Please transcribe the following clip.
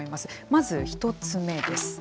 まず１つ目です。